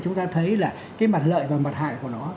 chúng ta thấy là cái mặt lợi và mặt hại của nó